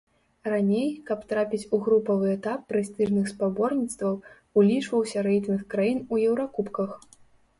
Раней, каб трапіць у групавы этап прэстыжных спаборніцтваў, улічваўся рэйтынг краін у еўракубках.